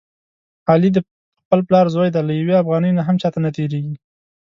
علي د خپل پلار زوی دی، له یوې افغانۍ نه هم چاته نه تېرېږي.